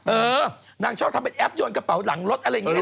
เออนางชอบทำเป็นแอปโยนกระเป๋าหลังรถอะไรอย่างนี้